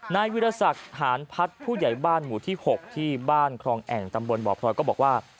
นายวิรสักหารพัฒน์ผู้ใหญ่บ้านหมู่ที่๖ที่บ้านครองแอ่งตำบลบ่อพลอยก็บอกว่า